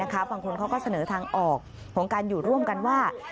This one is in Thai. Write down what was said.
บางคนเขาก็เสนอทางออกของการอยู่ร่วมกันว่า